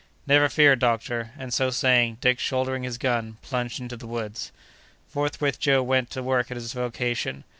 "Never fear, doctor!" and, so saying, Dick, shouldering his gun, plunged into the woods. Forthwith Joe went to work at his vocation.